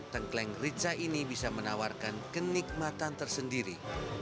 tengkleng rica ini bisa menawarkan kenikmatan tersendiri